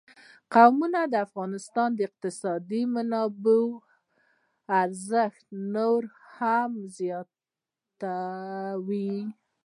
قومونه د افغانستان د اقتصادي منابعو ارزښت نور هم زیاتوي.